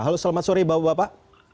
halo selamat sore bapak bapak